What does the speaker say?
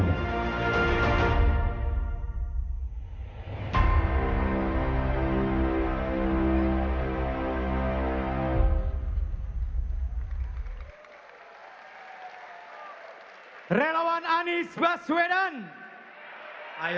untuk membuatnya lebih baik